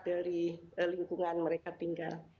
di lingkungan mereka tinggal